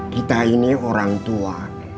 kita ini orang tua